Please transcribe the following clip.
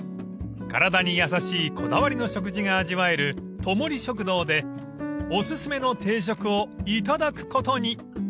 ［体に優しいこだわりの食事が味わえるトモリ食堂でお薦めの定食を頂くことに］